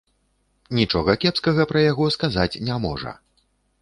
Нічога кепскага пра яго сказаць не можа.